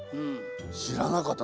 知らなかった。